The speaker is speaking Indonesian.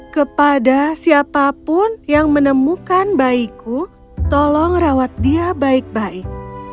kepada siapapun yang menemukan bayiku tolong rawat dia baik baik